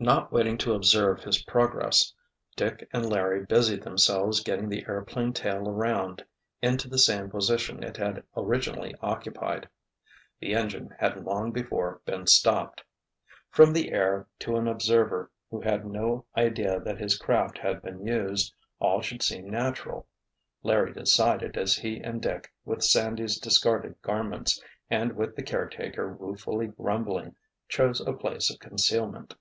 Not waiting to observe his progress, Dick and Larry busied themselves getting the airplane tail around into the same position it had originally occupied. The engine had long before been stopped. From the air, to an observer who had no idea that his craft had been used, all should seem natural, Larry decided as he and Dick, with Sandy's discarded garments, and with the caretaker ruefully grumbling, chose a place of concealment.